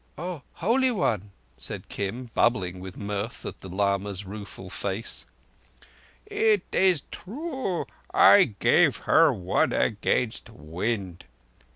"Oh, Holy One!" said Kim, bubbling with mirth at the lama's rueful face. "It is true. I gave her one against wind."